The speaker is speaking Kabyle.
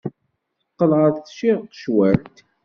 Teqqel ɣer tcirqecwalt.